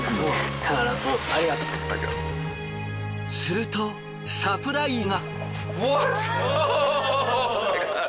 するとサプライズが。